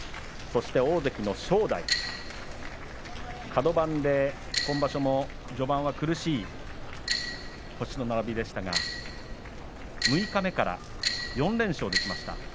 そして大関の正代カド番で今場所は苦しい星の並びでしたが六日目からは４連勝できました。